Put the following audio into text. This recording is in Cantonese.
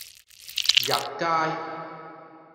日街